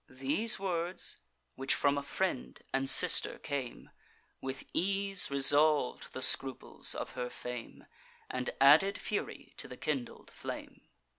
These words, which from a friend and sister came, With ease resolv'd the scruples of her fame, And added fury to the kindled flame.